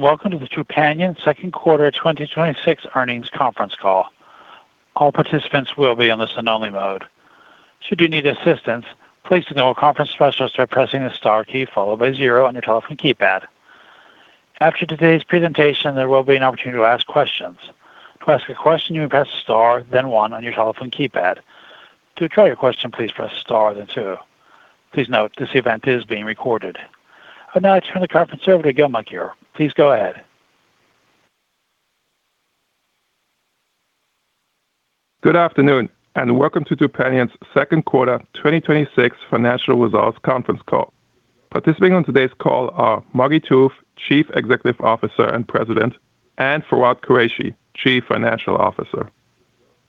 Welcome to the Trupanion second quarter 2026 earnings conference call. All participants will be on the listen only mode. Should you need assistance, please signal a conference specialist by pressing the star key followed by zero on your telephone keypad. After today's presentation, there will be an opportunity to ask questions. To ask a question, you may press star then one on your telephone keypad. To withdraw your question, please press star then two. Please note, this event is being recorded. I will now turn the conference over to Gil Melchior. Please go ahead. Good afternoon and welcome to Trupanion's second quarter 2026 financial results conference call. Participating on today's call are Margi Tooth, Chief Executive Officer and President, and Fawwad Qureshi, Chief Financial Officer.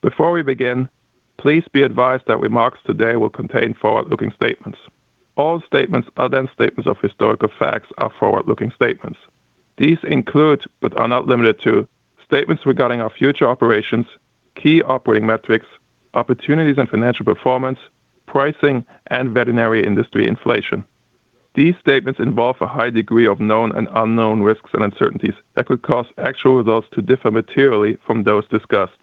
Before we begin, please be advised that remarks today will contain forward-looking statements. All statements are then statements of historical facts are forward-looking statements. These include, but are not limited to, statements regarding our future operations, key operating metrics, opportunities and financial performance, pricing, and veterinary industry inflation. These statements involve a high degree of known and unknown risks and uncertainties that could cause actual results to differ materially from those discussed.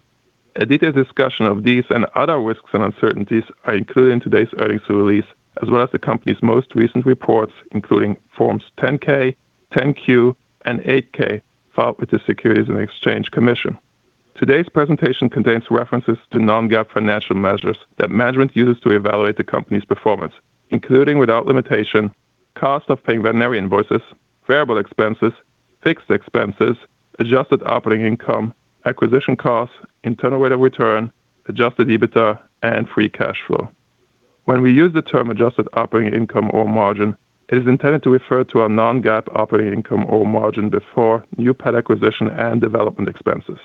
A detailed discussion of these and other risks and uncertainties are included in today's earnings release, as well as the company's most recent reports, including Forms 10-K, 10-Q, and 8-K filed with the Securities and Exchange Commission. Today's presentation contains references to non-GAAP financial measures that management uses to evaluate the company's performance, including, without limitation, cost of paying veterinary invoices, variable expenses, fixed expenses, adjusted operating income, acquisition costs, internal rate of return, adjusted EBITDA, and free cash flow. When we use the term adjusted operating income or margin, it is intended to refer to our non-GAAP operating income or margin before new pet acquisition and development expenses.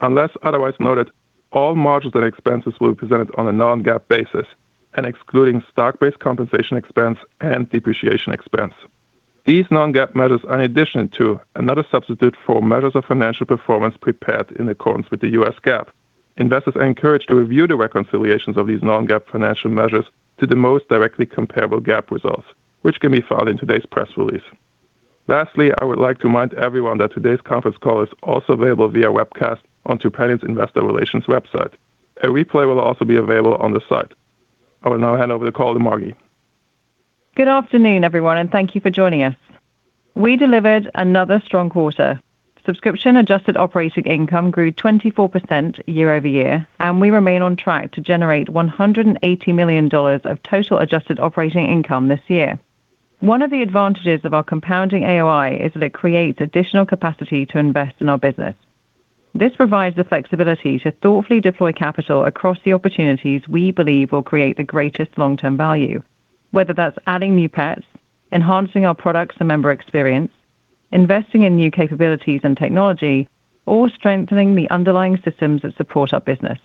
Unless otherwise noted, all margins and expenses will be presented on a non-GAAP basis and excluding stock-based compensation expense and depreciation expense. These non-GAAP measures are in addition to another substitute for measures of financial performance prepared in accordance with the U.S. GAAP. Investors are encouraged to review the reconciliations of these non-GAAP financial measures to the most directly comparable GAAP results, which can be found in today's press release. Lastly, I would like to remind everyone that today's conference call is also available via webcast on Trupanion's Investor Relations website. A replay will also be available on the site. I will now hand over the call to Margi. Good afternoon, everyone, and thank you for joining us. We delivered another strong quarter. Subscription adjusted operating income grew 24% year-over-year. We remain on track to generate $180 million of total adjusted operating income this year. One of the advantages of our compounding AOI is that it creates additional capacity to invest in our business. This provides the flexibility to thoughtfully deploy capital across the opportunities we believe will create the greatest long-term value, whether that's adding new pets, enhancing our products and member experience, investing in new capabilities and technology, or strengthening the underlying systems that support our business.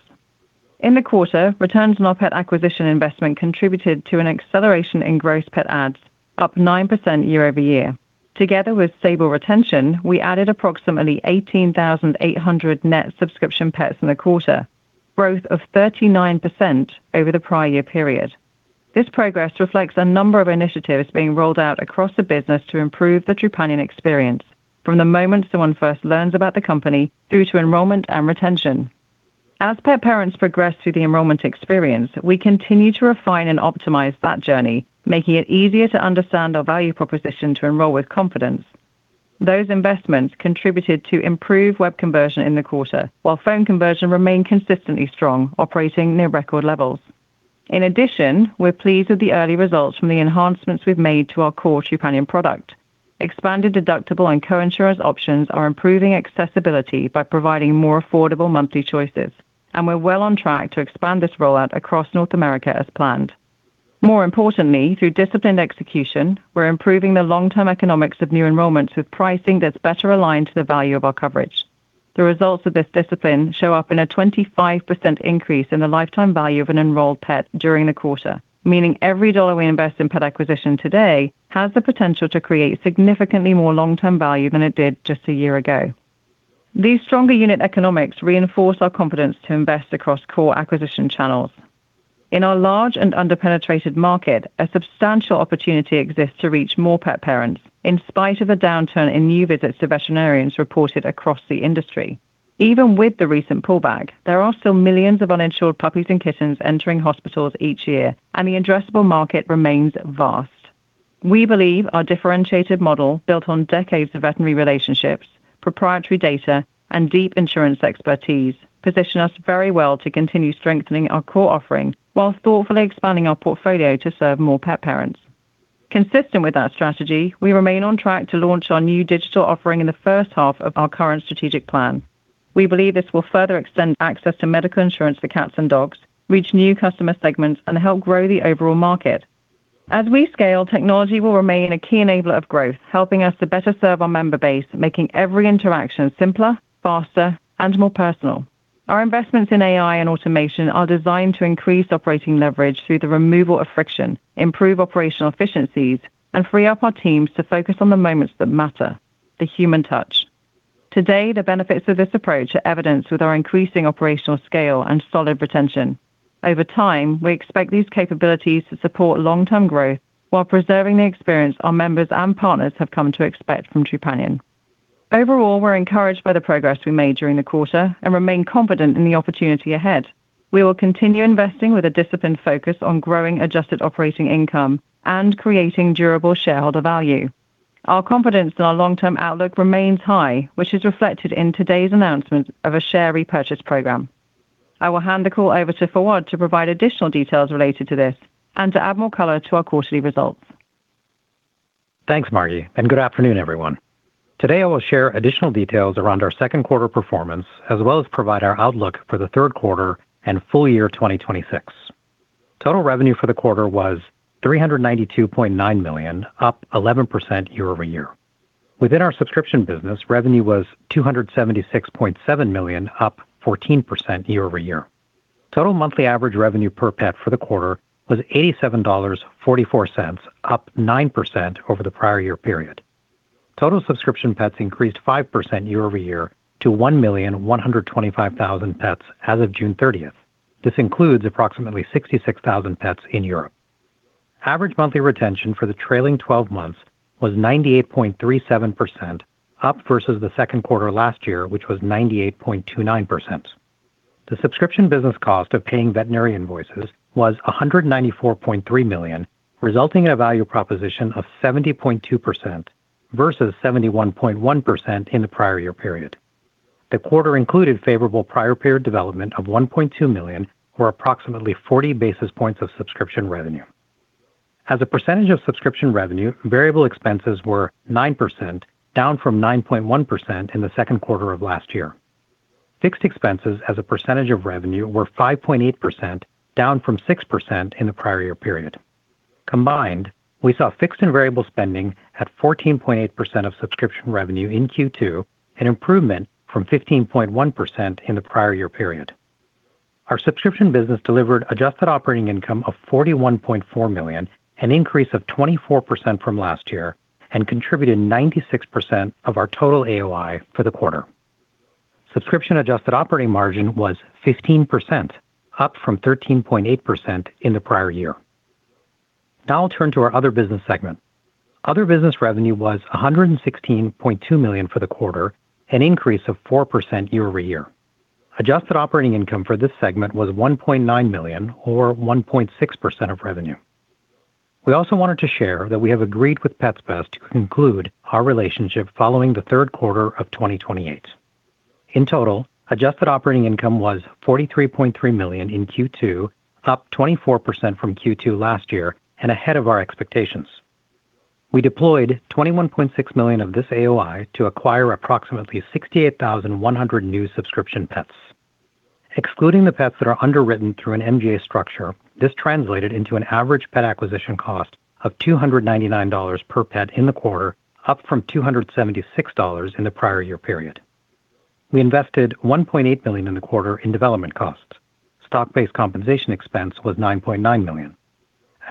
In the quarter, returns on our pet acquisition investment contributed to an acceleration in gross pet adds, up 9% year-over-year. Together with stable retention, we added approximately 18,800 net subscription pets in the quarter, growth of 39% over the prior year period. This progress reflects a number of initiatives being rolled out across the business to improve the Trupanion experience, from the moment someone first learns about the company through to enrollment and retention. As pet parents progress through the enrollment experience, we continue to refine and optimize that journey, making it easier to understand our value proposition to enroll with confidence. Those investments contributed to improved web conversion in the quarter, while phone conversion remained consistently strong, operating near record levels. We're pleased with the early results from the enhancements we've made to our core Trupanion product. Expanded deductible and co-insurance options are improving accessibility by providing more affordable monthly choices. We're well on track to expand this rollout across North America as planned. More importantly, through disciplined execution, we're improving the long-term economics of new enrollments with pricing that's better aligned to the value of our coverage. The results of this discipline show up in a 25% increase in the lifetime value of an enrolled pet during the quarter, meaning every dollar we invest in pet acquisition today has the potential to create significantly more long-term value than it did just a year ago. These stronger unit economics reinforce our confidence to invest across core acquisition channels. In our large and under-penetrated market, a substantial opportunity exists to reach more pet parents, in spite of a downturn in new visits to veterinarians reported across the industry. Even with the recent pullback, there are still millions of uninsured puppies and kittens entering hospitals each year. The addressable market remains vast. We believe our differentiated model, built on decades of veterinary relationships, proprietary data, and deep insurance expertise, position us very well to continue strengthening our core offering while thoughtfully expanding our portfolio to serve more pet parents. Consistent with that strategy, we remain on track to launch our new digital offering in the first half of our current strategic plan. We believe this will further extend access to medical insurance for cats and dogs, reach new customer segments, help grow the overall market. As we scale, technology will remain a key enabler of growth, helping us to better serve our member base, making every interaction simpler, faster, and more personal. Our investments in AI and automation are designed to increase operating leverage through the removal of friction, improve operational efficiencies, free up our teams to focus on the moments that matter, the human touch. Today, the benefits of this approach are evidenced with our increasing operational scale and solid retention. Over time, we expect these capabilities to support long-term growth while preserving the experience our members and partners have come to expect from Trupanion. Overall, we're encouraged by the progress we made during the quarter and remain confident in the opportunity ahead. We will continue investing with a disciplined focus on growing adjusted operating income and creating durable shareholder value. Our confidence in our long-term outlook remains high, which is reflected in today's announcement of a share repurchase program. I will hand the call over to Fawwad to provide additional details related to this and to add more color to our quarterly results. Thanks, Margi, good afternoon, everyone. Today I will share additional details around our second quarter performance, as well as provide our outlook for the third quarter and full year 2026. Total revenue for the quarter was $392.9 million, up 11% year-over-year. Within our subscription business, revenue was $276.7 million, up 14% year-over-year. Total monthly average revenue per pet for the quarter was $87.44, up 9% over the prior year period. Total subscription pets increased 5% year-over-year to 1,125,000 pets as of June 30th. This includes approximately 66,000 pets in Europe. Average monthly retention for the trailing 12 months was 98.37%, up versus the second quarter last year, which was 98.29%. The subscription business cost of paying veterinarian invoices was $194.3 million, resulting in a value proposition of 70.2% versus 71.1% in the prior year period. The quarter included favorable prior period development of $1.2 million or approximately 40 basis points of subscription revenue. As a percentage of subscription revenue, variable expenses were 9%, down from 9.1% in the second quarter of last year. Fixed expenses as a percentage of revenue were 5.8%, down from 6% in the prior year period. Combined, we saw fixed and variable spending at 14.8% of subscription revenue in Q2, an improvement from 15.1% in the prior year period. Our subscription business delivered adjusted operating income of $41.4 million, an increase of 24% from last year, and contributed 96% of our total AOI for the quarter. Subscription adjusted operating margin was 15%, up from 13.8% in the prior year. I'll turn to our other business segment. Other business revenue was $116.2 million for the quarter, an increase of 4% year-over-year. Adjusted operating income for this segment was $1.9 million or 1.6% of revenue. We also wanted to share that we have agreed with Pets Best to conclude our relationship following the third quarter of 2028. In total, adjusted operating income was $43.3 million in Q2, up 24% from Q2 last year, and ahead of our expectations. We deployed $21.6 million of this AOI to acquire approximately 68,100 new subscription pets. Excluding the pets that are underwritten through an MGA structure, this translated into an average pet acquisition cost of $299 per pet in the quarter, up from $276 in the prior year period. We invested $1.8 million in the quarter in development costs. Stock-based compensation expense was $9.9 million.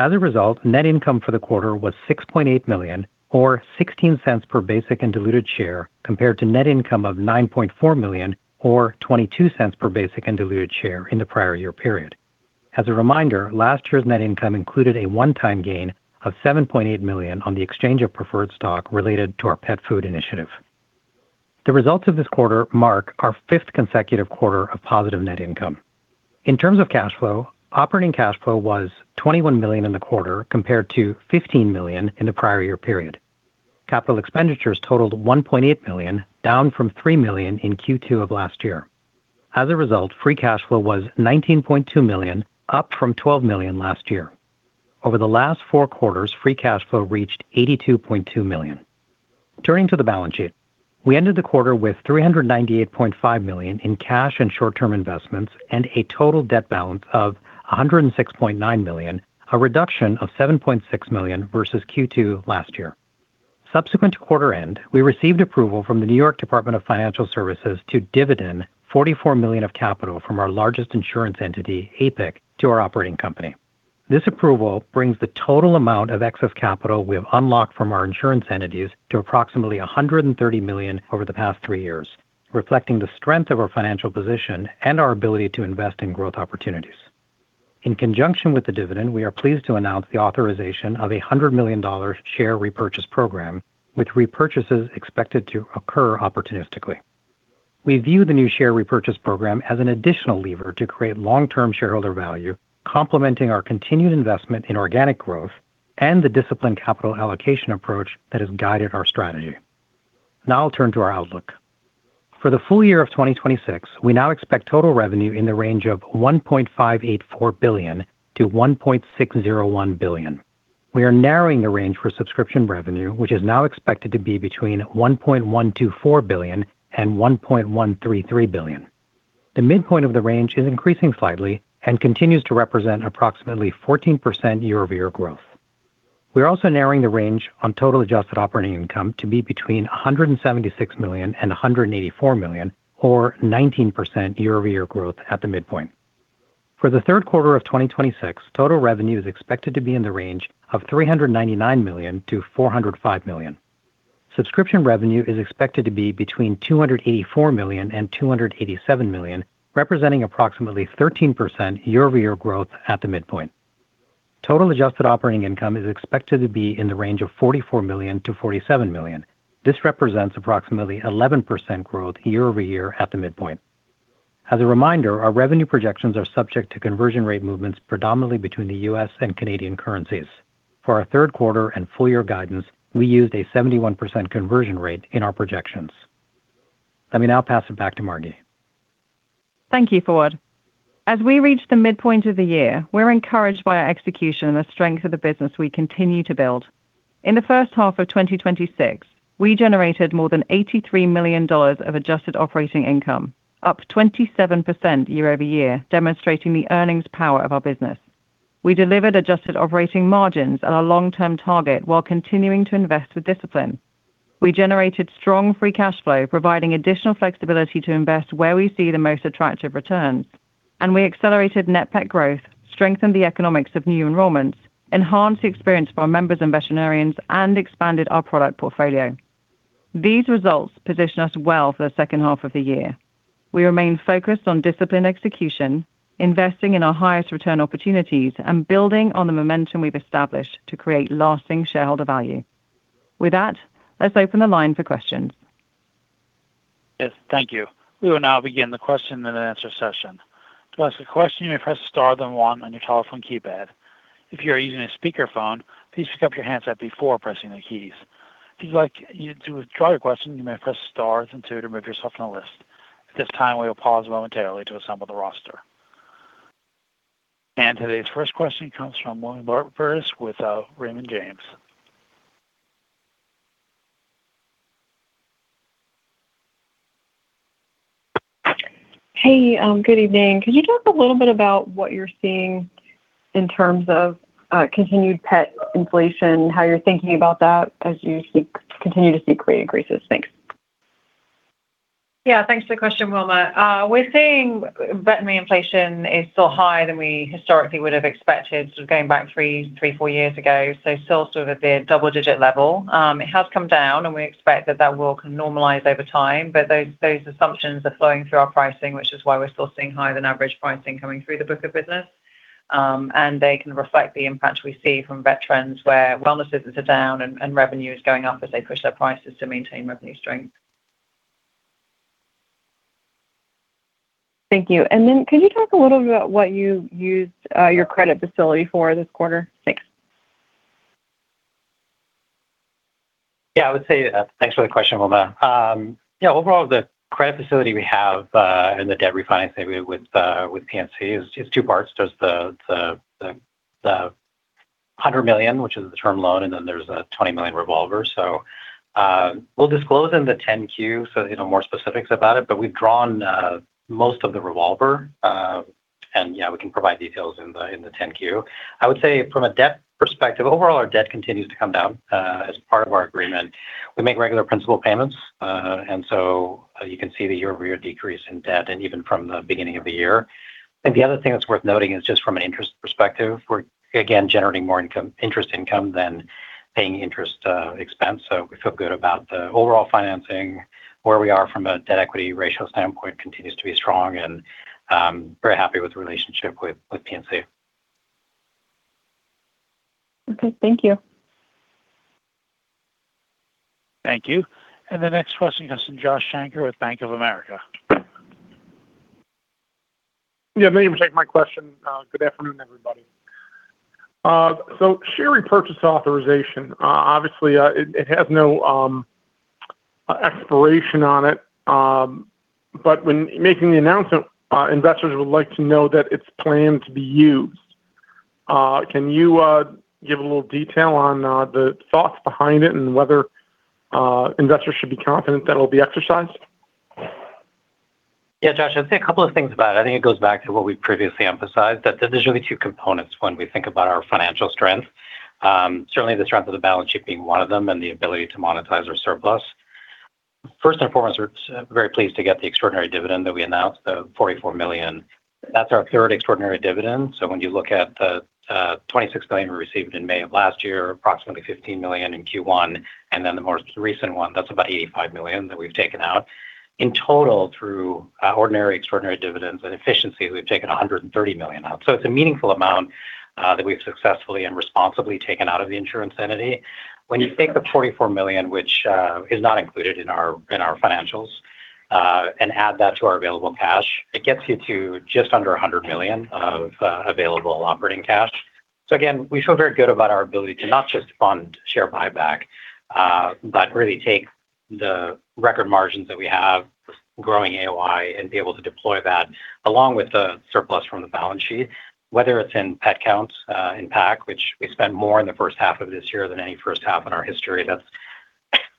As a result, net income for the quarter was $6.8 million or $0.16 per basic and diluted share, compared to net income of $9.4 million or $0.22 per basic and diluted share in the prior year period. As a reminder, last year's net income included a one-time gain of $7.8 million on the exchange of preferred stock related to our pet food initiative. The results of this quarter mark our fifth consecutive quarter of positive net income. In terms of cash flow, operating cash flow was $21 million in the quarter compared to $15 million in the prior year period. Capital expenditures totaled $1.8 million, down from $3 million in Q2 of last year. As a result, free cash flow was $19.2 million, up from $12 million last year. Over the last four quarters, free cash flow reached $82.2 million. Turning to the balance sheet. We ended the quarter with $398.5 million in cash and short-term investments and a total debt balance of $106.9 million, a reduction of $7.6 million versus Q2 last year. Subsequent to quarter end, we received approval from the New York State Department of Financial Services to dividend $44 million of capital from our largest insurance entity, APIC, to our operating company. This approval brings the total amount of excess capital we have unlocked from our insurance entities to approximately $130 million over the past three years, reflecting the strength of our financial position and our ability to invest in growth opportunities. In conjunction with the dividend, we are pleased to announce the authorization of a $100 million share repurchase program, with repurchases expected to occur opportunistically. We view the new share repurchase program as an additional lever to create long-term shareholder value, complementing our continued investment in organic growth and the disciplined capital allocation approach that has guided our strategy. I'll turn to our outlook. For the full year of 2026, we now expect total revenue in the range of $1.584 billion-$1.601 billion. We are narrowing the range for subscription revenue, which is now expected to be between $1.124 billion and $1.133 billion. The midpoint of the range is increasing slightly and continues to represent approximately 14% year-over-year growth. We are also narrowing the range on total adjusted operating income to be between $176 million and $184 million, or 19% year-over-year growth at the midpoint. For the third quarter of 2026, total revenue is expected to be in the range of $399 million-$405 million. Subscription revenue is expected to be between $284 million and $287 million, representing approximately 13% year-over-year growth at the midpoint. Total adjusted operating income is expected to be in the range of $44 million-$47 million. This represents approximately 11% growth year-over-year at the midpoint. As a reminder, our revenue projections are subject to conversion rate movements predominantly between the U.S. and Canadian currencies. For our third quarter and full year guidance, we used a 71% conversion rate in our projections. Let me now pass it back to Margi. Thank you, Ford. As we reach the midpoint of the year, we're encouraged by our execution and the strength of the business we continue to build. In the first half of 2026, we generated more than $83 million of adjusted operating income, up 27% year-over-year, demonstrating the earnings power of our business. We delivered adjusted operating margins at our long-term target while continuing to invest with discipline. We generated strong free cash flow, providing additional flexibility to invest where we see the most attractive returns, we accelerated net pet growth, strengthened the economics of new enrollments, enhanced the experience for our members and veterinarians, and expanded our product portfolio. These results position us well for the second half of the year. We remain focused on disciplined execution, investing in our highest return opportunities, and building on the momentum we've established to create lasting shareholder value. With that, let's open the line for questions. Yes, thank you. We will now begin the question and answer session. To ask a question, you may press star then one on your telephone keypad. If you are using a speakerphone, please pick up your handset before pressing the keys. If you'd like to withdraw your question, you may press stars and two to remove yourself from the list. At this time, we will pause momentarily to assemble the roster. Today's first question comes from Wilma Burdis with Raymond James. Hey, good evening. Could you talk a little bit about what you're seeing in terms of continued pet inflation, how you're thinking about that as you continue to see rate increases? Thanks. Yeah, thanks for the question, Wilma. We're seeing veterinary inflation is still higher than we historically would have expected, going back three, four years ago, so still sort of at the double-digit level. It has come down, and we expect that that will normalize over time. Those assumptions are flowing through our pricing, which is why we're still seeing higher than average pricing coming through the book of business. They can reflect the impact we see from vet trends, where wellness visits are down and revenue is going up as they push their prices to maintain revenue strength. Thank you. Could you talk a little bit about what you used your credit facility for this quarter? Thanks. Yeah, thanks for the question, Wilma. Overall, the credit facility we have and the debt refinancing with PNC is two parts. There's the $100 million, which is the term loan, and then there's a $20 million revolver. We'll disclose in the 10-Q more specifics about it, but we've drawn most of the revolver. Yeah, we can provide details in the 10-Q. I would say from a debt perspective, overall, our debt continues to come down as part of our agreement. We make regular principal payments. You can see the year-over-year decrease in debt, and even from the beginning of the year. I think the other thing that's worth noting is just from an interest perspective, we're again generating more interest income than paying interest expense. We feel good about the overall financing. Where we are from a debt-equity ratio standpoint continues to be strong and very happy with the relationship with PNC. Okay, thank you. Thank you. The next question comes from Josh Shanker with Bank of America. Yeah, thank you for taking my question. Good afternoon, everybody. Share repurchase authorization, obviously, it has no expiration on it. When making the announcement, investors would like to know that it's planned to be used. Can you give a little detail on the thoughts behind it and whether investors should be confident that it'll be exercised? Yeah, Josh, I'd say a couple of things about it. I think it goes back to what we've previously emphasized, that there's really two components when we think about our financial strength. Certainly, the strength of the balance sheet being one of them and the ability to monetize our surplus. First and foremost, we're very pleased to get the extraordinary dividend that we announced, the $44 million. That's our third extraordinary dividend. When you look at the $26 million we received in May of last year, approximately $15 million in Q1, and then the more recent one, that's about $85 million that we've taken out. In total, through ordinary, extraordinary dividends and efficiencies, we've taken $130 million out. It's a meaningful amount that we've successfully and responsibly taken out of the insurance entity. When you take the $44 million, which is not included in our financials, and add that to our available cash, it gets you to just under $100 million of available operating cash. Again, we feel very good about our ability to not just fund share buyback, but really take the record margins that we have growing AOI and be able to deploy that along with the surplus from the balance sheet. Whether it's in pet counts, in PAC, which we spent more in the first half of this year than any first half in our history, that's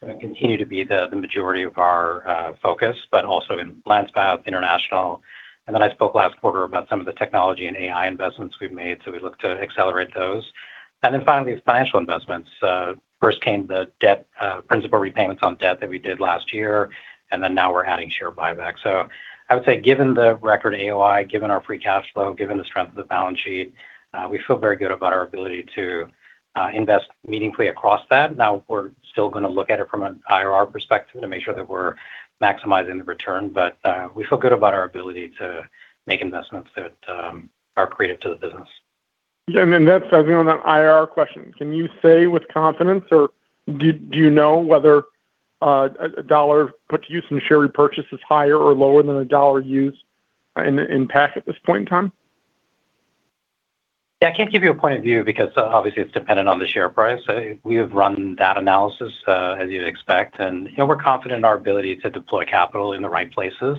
going to continue to be the majority of our focus, but also in LancePath International. I spoke last quarter about some of the technology and AI investments we've made, we look to accelerate those. Finally, financial investments. First came the principal repayments on debt that we did last year, now we're adding share buyback. I would say, given the record AOI, given our free cash flow, given the strength of the balance sheet, we feel very good about our ability to invest meaningfully across that. We're still going to look at it from an IRR perspective to make sure that we're maximizing the return, we feel good about our ability to make investments that are creative to the business. Yeah. That's on the IRR question. Can you say with confidence or do you know whether $1 put to use in share repurchase is higher or lower than $1 used in PAC at this point in time? Yeah. I can't give you a point of view because obviously it's dependent on the share price. We have run that analysis, as you'd expect, and we're confident in our ability to deploy capital in the right places.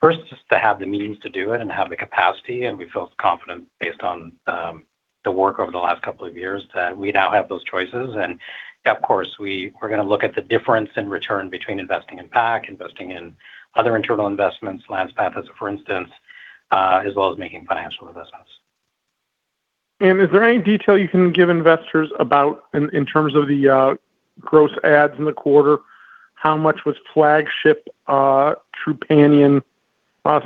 First is to have the means to do it and have the capacity, and we feel confident based on the work over the last couple of years that we now have those choices. Of course, we're going to look at the difference in return between investing in PAC, investing in other internal investments, Landspath, Inc., for instance, as well as making financial investments. Is there any detail you can give investors about in terms of the gross adds in the quarter, how much was flagship Trupanion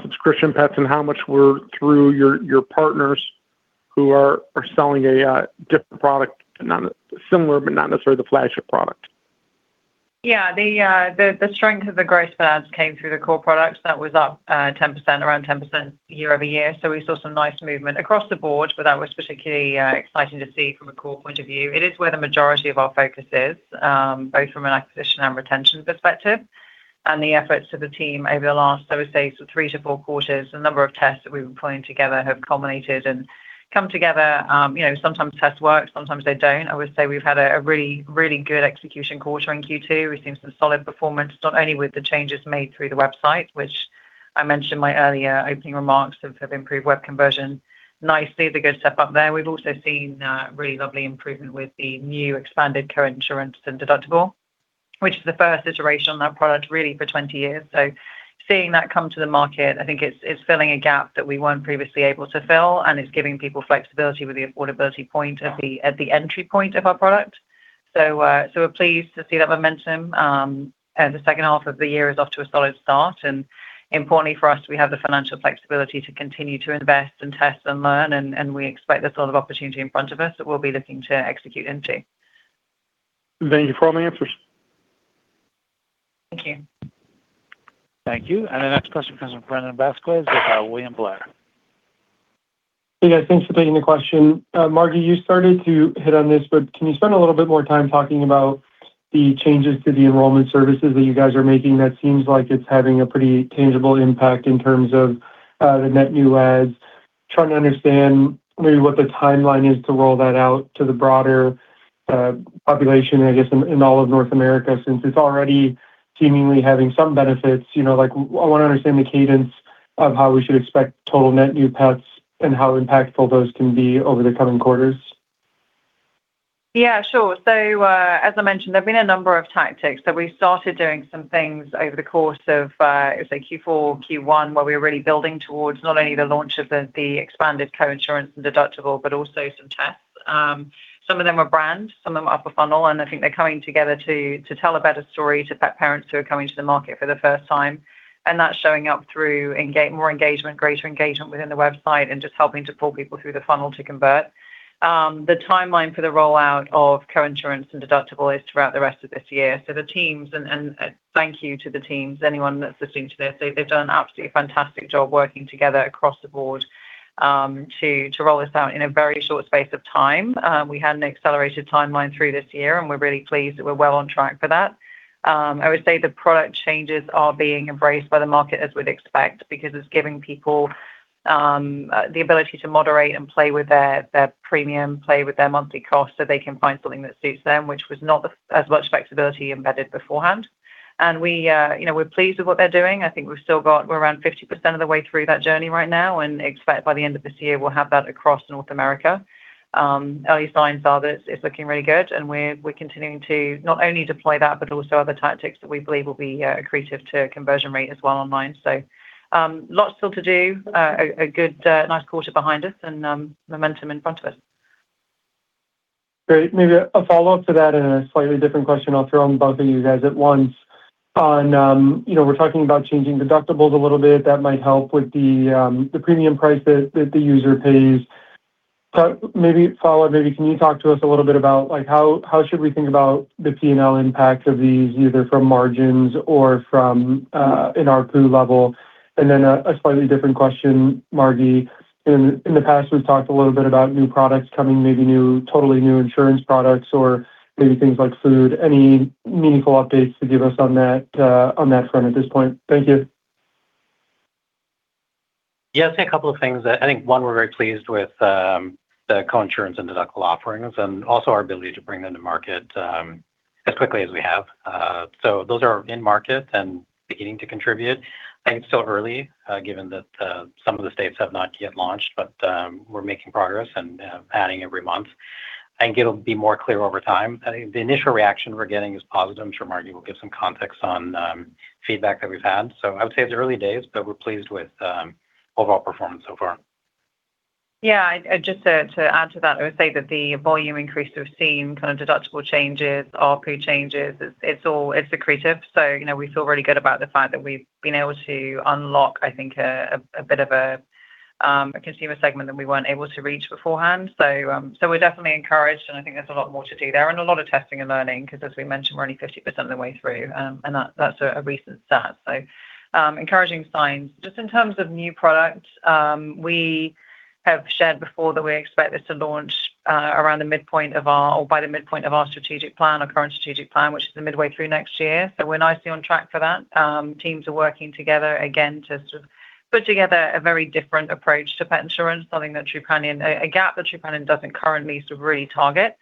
subscription pets, and how much were through your partners who are selling a different product, similar but not necessarily the flagship product? The strength of the gross adds came through the core products. That was up around 10% year-over-year. We saw some nice movement across the board, but that was particularly exciting to see from a core point of view. It is where the majority of our focus is, both from an acquisition and retention perspective. The efforts of the team over the last, I would say, three to four quarters, the number of tests that we've been pulling together have culminated and come together. Sometimes tests work, sometimes they don't. I would say we've had a really, really good execution quarter in Q2. We've seen some solid performance, not only with the changes made through the website, which I mentioned in my earlier opening remarks have improved web conversion nicely, the good step up there. We've also seen a really lovely improvement with the new expanded co-insurance and deductible, which is the first iteration on that product really for 20 years. Seeing that come to the market, I think it's filling a gap that we weren't previously able to fill, and it's giving people flexibility with the affordability point at the entry point of our product. We're pleased to see that momentum, and the second half of the year is off to a solid start. Importantly for us, we have the financial flexibility to continue to invest and test and learn, and we expect there's a lot of opportunity in front of us that we'll be looking to execute into. Thank you for all the answers. Thank you. Thank you. The next question comes from Brandon Vazquez with William Blair. Hey, guys. Thanks for taking the question. Margi, you started to hit on this, can you spend a little bit more time talking about the changes to the enrollment services that you guys are making that seems like it's having a pretty tangible impact in terms of the net new adds? Trying to understand maybe what the timeline is to roll that out to the broader population, I guess, in all of North America, since it's already seemingly having some benefits. I want to understand the cadence of how we should expect total net new paths and how impactful those can be over the coming quarters. Yeah, sure. As I mentioned, there's been a number of tactics that we started doing some things over the course of, I would say Q4, Q1, where we were really building towards not only the launch of the expanded co-insurance and deductible, but also some tests. Some of them were brand, some of them upper funnel, I think they're coming together to tell a better story to pet parents who are coming to the market for the first time. That's showing up through more engagement, greater engagement within the website, just helping to pull people through the funnel to convert. The timeline for the rollout of co-insurance and deductible is throughout the rest of this year. The teams, and thank you to the teams, anyone that's listening to this, they've done an absolutely fantastic job working together across the board to roll this out in a very short space of time. We had an accelerated timeline through this year, and we're really pleased that we're well on track for that. I would say the product changes are being embraced by the market as we'd expect, because it's giving people the ability to moderate and play with their premium, play with their monthly cost so they can find something that suits them, which was not as much flexibility embedded beforehand. We're pleased with what they're doing. I think we're around 50% of the way through that journey right now and expect by the end of this year we'll have that across North America. Early signs are that it's looking really good, and we're continuing to not only deploy that, but also other tactics that we believe will be accretive to conversion rate as well online. Lots still to do, a good, nice quarter behind us, and momentum in front of us. Great. Maybe a follow-up to that and a slightly different question I'll throw on both of you guys at once. We're talking about changing deductibles a little bit. That might help with the premium price that the user pays. Maybe, Falk, maybe can you talk to us a little bit about how should we think about the P&L impact of these, either from margins or from an ARPU level? A slightly different question, Margi. In the past, we've talked a little bit about new products coming, maybe totally new insurance products or maybe things like food. Any meaningful updates to give us on that front at this point? Thank you. Yeah. I'd say a couple of things. I think, one, we're very pleased with the co-insurance and deductible offerings and also our ability to bring them to market as quickly as we have. Those are in market and beginning to contribute. I think it's still early, given that some of the states have not yet launched, but we're making progress and adding every month. I think it'll be more clear over time. I think the initial reaction we're getting is positive. I'm sure Margi will give some context on feedback that we've had. I would say it's early days, but we're pleased with overall performance so far. Yeah, just to add to that, I would say that the volume increase we've seen, deductible changes, RP changes, it's accretive. We feel really good about the fact that we've been able to unlock, I think, a bit of a consumer segment that we weren't able to reach beforehand. We're definitely encouraged, and I think there's a lot more to do there and a lot of testing and learning because, as we mentioned, we're only 50% of the way through. That's a recent stat, encouraging signs. Just in terms of new product, we have shared before that we expect this to launch by the midpoint of our strategic plan, our current strategic plan, which is the midway through next year. We're nicely on track for that. Teams are working together again to put together a very different approach to pet insurance, a gap that Trupanion doesn't currently really target.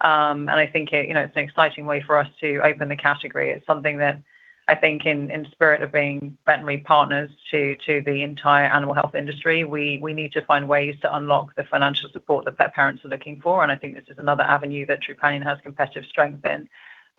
I think it's an exciting way for us to open the category. It's something that I think in spirit of being veterinary partners to the entire animal health industry, we need to find ways to unlock the financial support that pet parents are looking for, and I think this is another avenue that Trupanion has competitive strength in.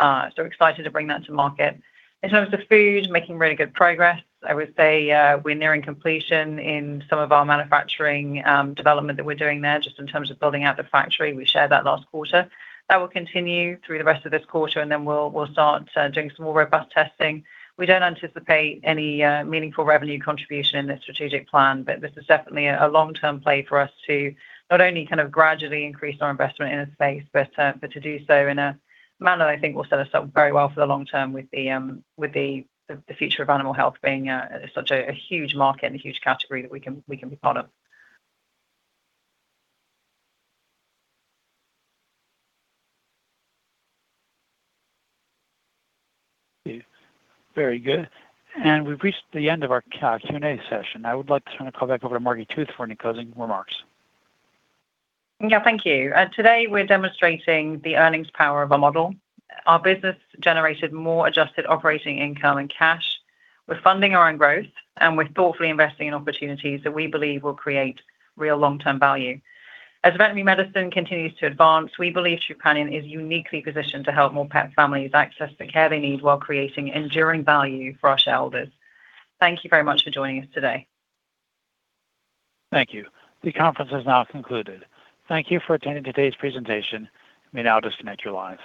Excited to bring that to market. In terms of food, making really good progress. I would say we're nearing completion in some of our manufacturing development that we're doing there, just in terms of building out the factory. We shared that last quarter. That will continue through the rest of this quarter, and then we'll start doing some more robust testing. We don't anticipate any meaningful revenue contribution in the strategic plan, but this is definitely a long-term play for us to not only gradually increase our investment in a space, but to do so in a manner that I think will set us up very well for the long term with the future of animal health being such a huge market and a huge category that we can be part of. Very good. We've reached the end of our Q&A session. I would like to turn the call back over to Margi Tooth for any closing remarks. Yeah, thank you. Today, we're demonstrating the earnings power of our model. Our business generated more adjusted operating income and cash. We're funding our own growth, and we're thoughtfully investing in opportunities that we believe will create real long-term value. As veterinary medicine continues to advance, we believe Trupanion is uniquely positioned to help more pet families access the care they need while creating enduring value for our shareholders. Thank you very much for joining us today. Thank you. The conference has now concluded. Thank you for attending today's presentation. You may now disconnect your lines.